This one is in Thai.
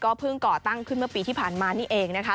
เพิ่งก่อตั้งขึ้นเมื่อปีที่ผ่านมานี่เองนะคะ